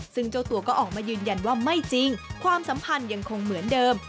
ซึ่งเจ้าตัวก็ออกมายืนยันว่าไม่จริงความสัมพันธ์ยังคงเหมือนเดิม